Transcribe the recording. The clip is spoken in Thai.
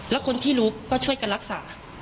แล้วคนที่รู้ก็ช่วยกันรักษา